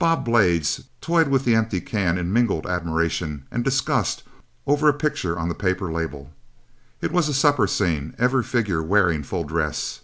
Bob Blades toyed with the empty can in mingled admiration and disgust over a picture on the paper label. It was a supper scene, every figure wearing full dress.